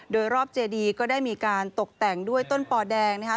โดยรอบเจดีก็ได้มีการตกแต่งด้วยต้นปอแดงนะคะ